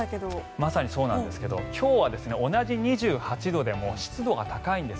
まさにそうなんですが今日は同じ２８度でも湿度が高いんです。